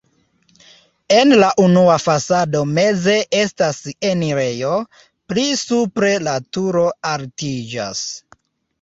En la unua fasado meze estas enirejo, pli supre la turo altiĝas.